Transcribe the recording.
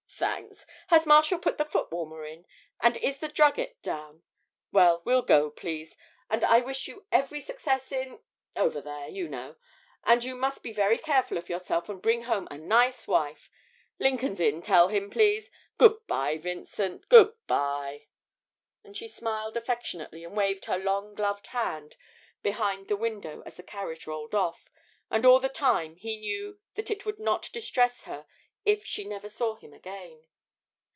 Thanks. Has Marshall put the footwarmer in, and is the drugget down? Then we'll go, please; and I wish you every success in over there, you know, and you must be careful of yourself and bring home a nice wife. Lincoln's Inn, tell him, please. Good bye, Vincent, good bye!' And she smiled affectionately and waved her long gloved hand behind the window as the carriage rolled off, and all the time he knew that it would not distress her if she never saw him again.